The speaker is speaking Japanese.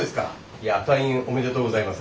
いや退院おめでとうございます。